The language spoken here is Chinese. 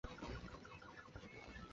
津田山站南武线的铁路车站。